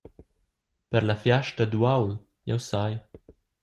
Per la fiasta d’uaul, jeu sai.